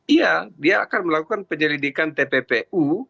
iya dia akan melakukan penyelidikan tppu